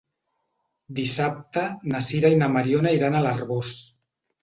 Dissabte na Sira i na Mariona iran a l'Arboç.